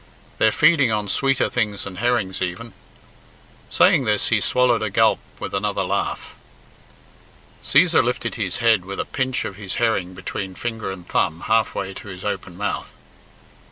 They're feeding on sweeter things than herrings even." Saying this he swallowed a gulp with another laugh. Cæsar lifted his head with a pinch of his herring between finger and thumb half way to his open mouth.